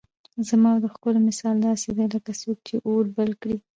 زما او د خلكو مثال داسي دئ لكه څوك چي اور بل كړي